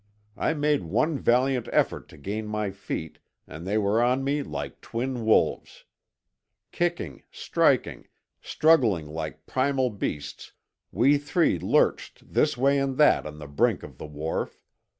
I made one valiant effort to gain my feet, and they were on me like twin wolves. Kicking, striking, struggling like primal beasts we three lurched this way and that on the brink of the wharf.